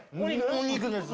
お肉です。